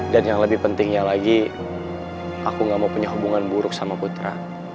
dan yang lebih pentingnya lagi aku gak mau punya hubungan buruk sama putra